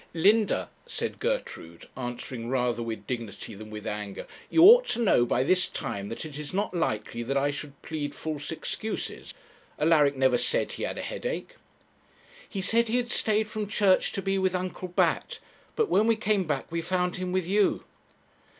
'Linda,' said Gertrude, answering rather with dignity than with anger, 'you ought to know by this time that it is not likely that I should plead false excuses. Alaric never said he had a headache.' 'He said he stayed from church to be with Uncle Bat; but when we came back we found him with you.'